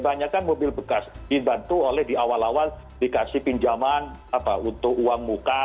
kebanyakan mobil bekas dibantu oleh di awal awal dikasih pinjaman untuk uang muka